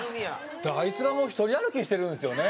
あいつがもう一人歩きしてるんですよね。